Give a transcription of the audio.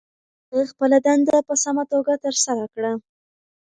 هغه خپله دنده په سمه توګه ترسره کړه.